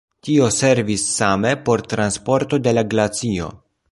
Tio servis same por transporto de la glacio.